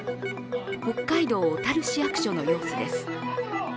北海道小樽市役所の様子です。